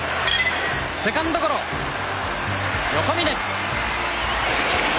セカンドゴロ横峯。